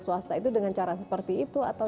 swasta itu dengan cara seperti itu atau